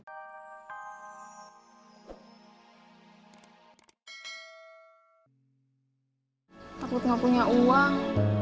takut gak punya uang